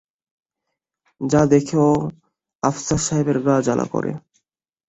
তা দেখেও আফসার সাহেবের গা জ্বালা করে।